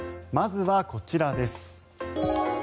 まずはこちらです。